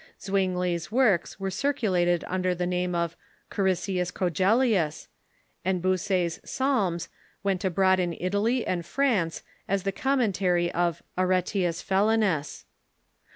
Zwingli's works were circulated under the name of " Coricius Cogelius," and Bucer's "Psalms" went abroad in Italy and France as the commentary of "Aretius Felinus."